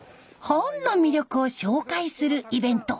本の魅力を紹介するイベント。